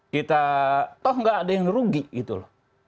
kita toh gak ada yang rugi gitu loh